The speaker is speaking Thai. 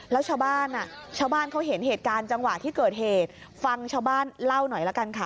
แล้วชาวบ้านอ่ะชาวบ้านเขาเห็นเหตุการณ์จังหวะที่เกิดเหตุฟังชาวบ้านเล่าหน่อยละกันค่ะ